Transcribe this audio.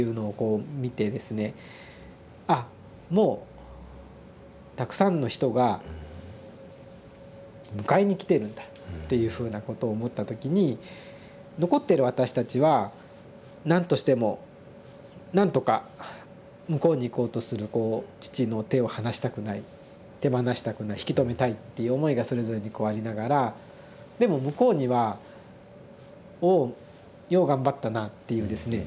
「あもうたくさんの人が迎えに来てるんだ」っていうふうなことを思った時に残ってる私たちは何としても何とか向こうにいこうとするこう父の手を離したくない手放したくない引き止めたいっていう思いがそれぞれにこうありながらでも向こうには「おおよう頑張ったな」っていうですね